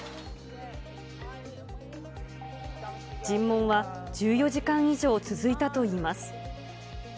尋問は、１４時間以上続いたといいます。